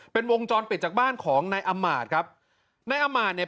เป็นวงจรปิดจากบ้านของนายอำมาตย์ครับนายอำมาตย์เนี่ย